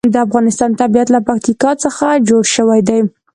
د افغانستان طبیعت له پکتیا څخه جوړ شوی دی.